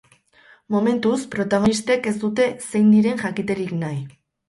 Momentuz, protagonistek ez dute zein diren jakiterik nahi.